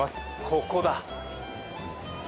ここだ。